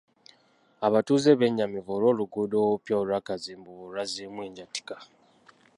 Abatuuze bennyamivu olw'oluguudo olupya olwakazimbibwa olwazzeemu enjatika.